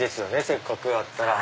せっかくだったら。